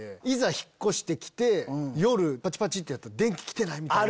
引っ越して来て夜パチパチってやったら電気来てない！みたいな。